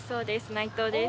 内藤です。